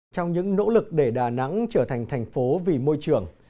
trong những nỗ lực để đà nẵng trở thành thành phố vì môi trường